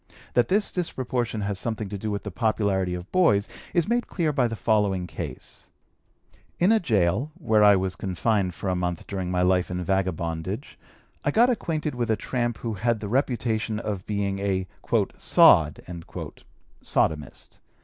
That this disproportion has something to do with the popularity of boys is made clear by the following case: In a gaol, where I was confined for a month during my life in vagabondage, I got acquainted with a tramp who had the reputation of being a "sod" (sodomist).